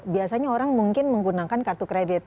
biasanya orang mungkin menggunakan kartu kredit